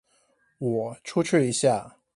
我出去一下